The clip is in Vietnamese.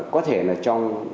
có thể là trong